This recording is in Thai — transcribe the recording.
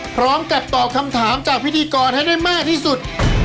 พร้อมกับตอบคำถามจากพิธีกรให้ได้มากที่สุด